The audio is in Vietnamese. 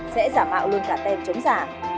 sẽ giả mạo luôn cả tem chống giả